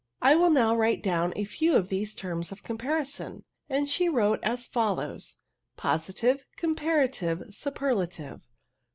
" I will now write down a few of these terms of comparison V'i and she wrote as fol lows :— Positive. Comparative. Superlative.